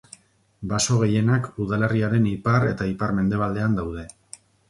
Baso gehienak udalerriaren ipar eta ipar-mendebaldean daude.